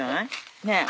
ねえ。